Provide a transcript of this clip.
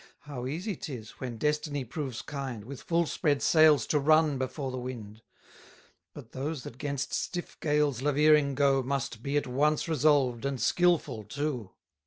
How easy 'tis, when destiny proves kind, With full spread sails to run before the wind! But those that 'gainst stiff gales laveering go, Must be at once resolved and skilful too.